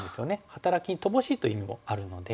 働きに乏しいという意味もあるので。